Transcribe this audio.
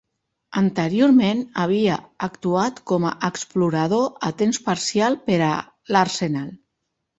Anteriorment havia actuat com a explorador a temps parcial per a l'Arsenal.